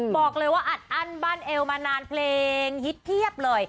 บอกเลยว่าอัดอั้นบ้านเอวมานานเพลงฮิตเพียบเลย